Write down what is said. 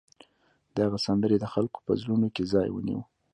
د هغه سندرې د خلکو په زړونو کې ځای ونیو